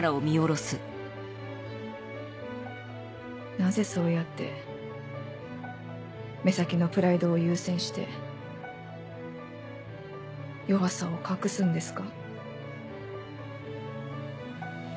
なぜそうやって目先のプライドを優先して弱さを隠すんですか？